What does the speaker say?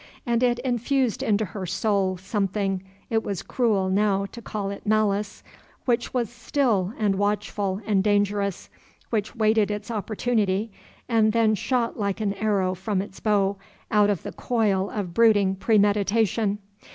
And it infused into her soul something it was cruel now to call it malice which was still and watchful and dangerous, which waited its opportunity, and then shot like an arrow from its bow out of the coil of brooding premeditation.